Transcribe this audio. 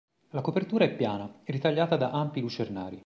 La copertura è piana, ritagliata da ampi lucernari.